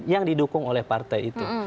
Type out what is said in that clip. yang didukung oleh partai itu